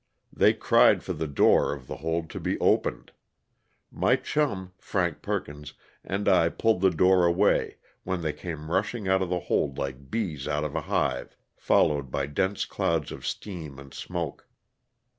They cried for the door of the hold to be opened. My chum (Frank Perkins) and I pulled the door away, when they came rushing out of the hold like bees out of a hive, fol lowed by dense clouds of steam and smoke.